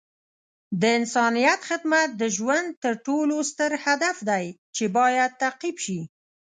د انسانیت خدمت د ژوند تر ټولو ستر هدف دی چې باید تعقیب شي.